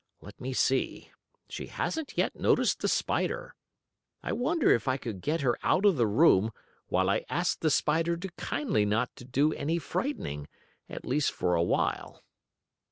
Let me see, she hasn't yet noticed the spider. I wonder if I could get her out of the room while I asked the spider to kindly not to do any frightening, at least for a while?"